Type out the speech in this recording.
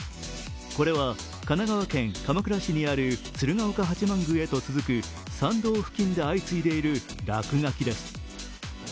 これは神奈川県鎌倉市にある鶴岡八幡宮へと続く参道付近で相次いでいる落書きです。